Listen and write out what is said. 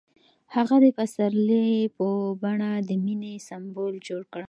هغه د پسرلی په بڼه د مینې سمبول جوړ کړ.